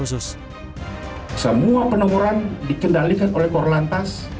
semua penemuan dikendalikan oleh korlantas